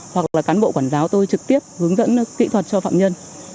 hoặc là cán bộ quản giáo tôi trực tiếp hướng dẫn kỹ thuật cho phạm nhân